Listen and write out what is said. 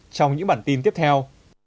trong những bản tin tiếp theo